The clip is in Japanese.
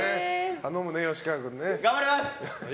頼むね、吉川君ね。